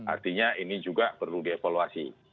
artinya ini juga perlu dievaluasi